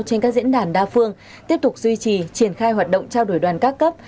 trên các diễn đàn đa phương tiếp tục duy trì triển khai hoạt động trao đổi đoàn các cấp